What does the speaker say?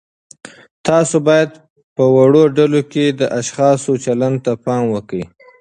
تاسو باید په وړو ډلو کې د اشخاصو چلند ته پام وکړئ.